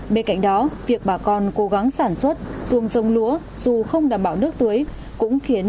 bên cạnh đó việc bà con cố gắng sản xuất dùng dông lúa dù không đảm bảo nước tưới cũng khiến